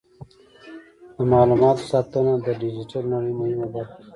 د معلوماتو ساتنه د ډیجیټل نړۍ مهمه برخه ده.